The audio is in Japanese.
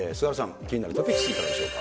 気になるトピックス、いかがでし